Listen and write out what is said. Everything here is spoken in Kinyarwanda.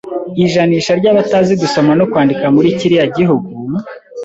Ijanisha ry'abatazi gusoma no kwandika muri kiriya gihugu